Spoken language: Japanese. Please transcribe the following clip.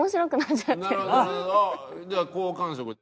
じゃあ好感触。